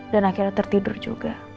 dan akhirnya tertidur juga